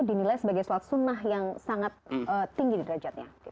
dinilai sebagai suat sunnah yang sangat tinggi di derajatnya